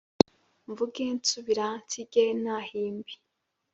Mvuge nsubira nsige nahimbe